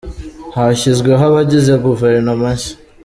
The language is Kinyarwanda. Hashyizweho abagize Guverinoma nshya